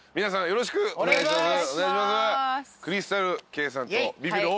よろしくお願いします。